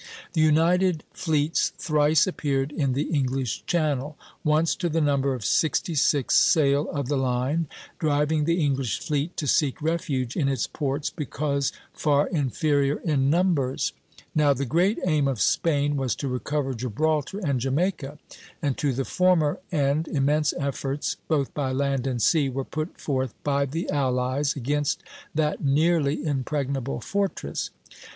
The united fleets thrice appeared in the English Channel, once to the number of sixty six sail of the line, driving the English fleet to seek refuge in its ports because far inferior in numbers. Now, the great aim of Spain was to recover Gibraltar and Jamaica; and to the former end immense efforts both by land and sea were put forth by the allies against that nearly impregnable fortress.